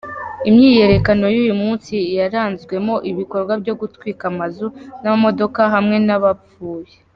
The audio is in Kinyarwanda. Imyiyerekano y'uyu munsi yaranzwemo ibikorwa byo gutwika amazu n'amamodoka hamwe n'abapfuye.